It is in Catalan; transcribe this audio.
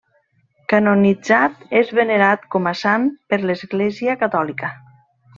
Canonitzat, és venerat com a sant per l'Església Catòlica.